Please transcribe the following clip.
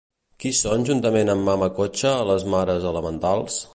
Qui són, juntament amb Mama Cocha, les Mares elementals?